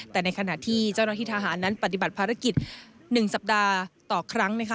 แต่ในขณะที่เจ้าหน้าที่ทหารนั้นปฏิบัติภารกิจ๑สัปดาห์ต่อครั้งนะคะ